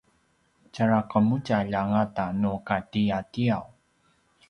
tjara qemudjalj a ngata nu katiatiaw